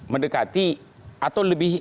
mendekati atau lebih